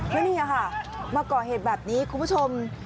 แล้วนี่ค่ะมาก่อเหตุแบบนี้คุณผู้ชม